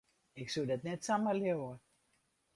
Ik soe dat net samar leauwe.